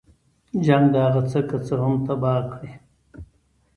جنګ د هغه څه که څه هم تباه کړي.